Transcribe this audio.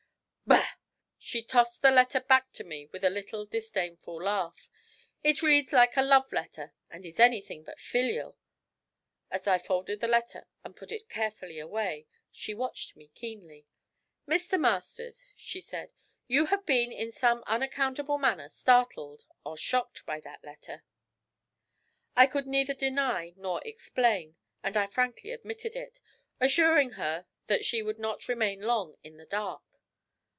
'Bah!' She tossed the letter back to me with a little disdainful laugh. 'It reads like a love letter, and is anything but filial.' As I folded the letter and put it carefully away, she watched me keenly. 'Mr. Masters,' she said, 'you have been in some unaccountable manner startled, or shocked, by that letter.' I could neither deny nor explain, and I frankly admitted it, assuring her that she would not remain long in the dark.